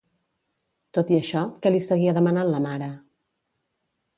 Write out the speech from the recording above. Tot i això, què li seguia demanant la mare?